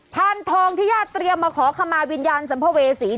พานทองที่ญาติเตรียมมาขอขมาวิญญาณสัมภเวษี